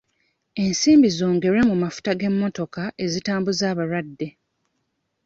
Ensimbi zongerwe mu mafuta g'emmotoka ezitambuza abalwadde.